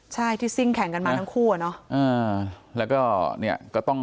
ใครที่ซิ่งแข่งกันมาทั้งคู่อะเนาะ